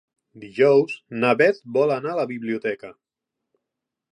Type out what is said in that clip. Dijous na Beth vol anar a la biblioteca.